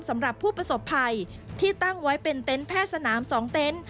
สำหรับผู้ประสบภัยที่ตั้งไว้เป็นเต็นต์แพทย์สนาม๒เต็นต์